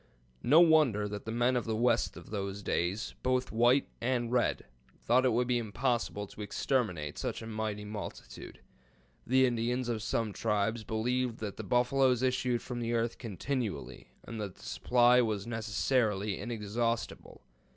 No wonder that the men of the West of those days, both white and red, thought it would be impossible to exterminate such a mighty multitude. The Indians of some tribes believed that the buffaloes issued from the earth continually, and that the supply was necessarily inexhaustible.